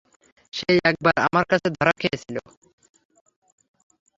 সে একবার আমার কাছে ধরা খেয়েছিল।